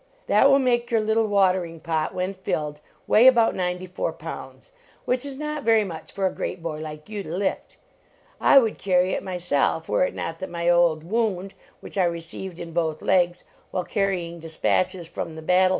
That will make your little watering pot, when filled, weigh about ninety four pounds, which is not very much for a great boy like you to lift. I would carry it myself were it not that my old wound, which I received in both legs while carrying despatches from the battle 47 LEARN INC!